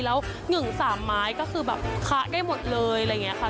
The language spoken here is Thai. แล้วหนึ่ง๓ไม้ก็คือแบบค้าใกล้หมดเลยอะไรอย่างนี้ค่ะ